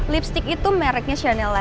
lipstick itu mereknya chanel